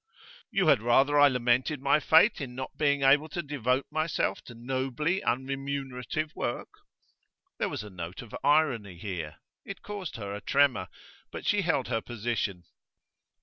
'You had rather I lamented my fate in not being able to devote myself to nobly unremunerative work?' There was a note of irony here. It caused her a tremor, but she held her position.